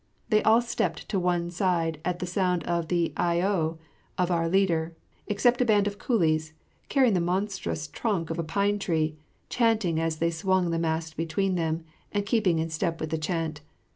They all stepped to one side at the sound of the Ah yo of our leader, except a band of coolies carrying the monstrous trunk of a pine tree, chanting as they swung the mast between them, and keeping step with the chant.